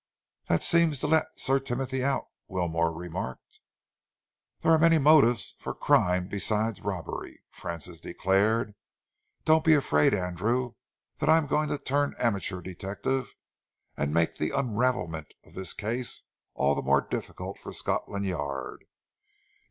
"That seems to let Sir Timothy out," Wilmore remarked. "There are many motives for crime besides robbery," Francis declared. "Don't be afraid, Andrew, that I am going to turn amateur detective and make the unravelment of this case all the more difficult for Scotland Yard.